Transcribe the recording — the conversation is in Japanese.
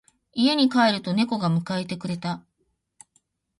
家に帰ると猫が迎えてくれた。